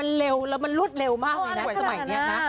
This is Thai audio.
มันเร็วแล้วมันรวดเร็วมากจน๑๒๐๐นี้อ่ะ